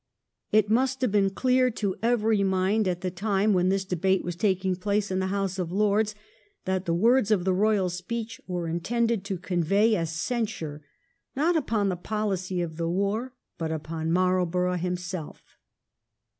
It must have been clear to every mind, at the time when this debate was taking place in the House of Lords, that the words of the Eoyal Speech were in tended to convey a censure not upon the policy of the war but upon Marlborough himself.